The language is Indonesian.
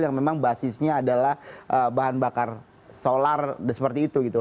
jadi ini memang basisnya adalah bahan bakar solar dan seperti itu